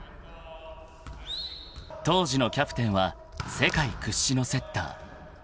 ［当時のキャプテンは世界屈指のセッター］